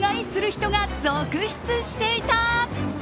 人が続出していた！